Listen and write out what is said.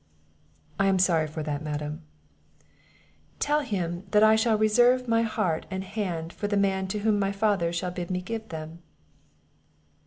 "I am sorry for that, Madam." "Tell him, that I shall reserve my heart and hand for the man to whom my father shall bid me give them."